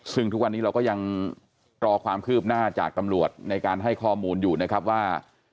ซึ่งทุกวันนี้เราก็ยังรอความคืบหน้าจากตำรวจในการให้ข้อมูลอยู่นะครับว่า